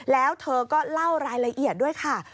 แล้วเธอก็เล่ารายละเอียดด้วยค่ะ